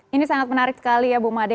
ini sangat menarik sekali ya bu made